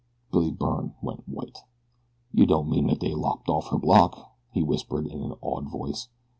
Billy Byrne went white. "Yeh don't mean dat dey've lopped off her block?" he whispered in an awed voice.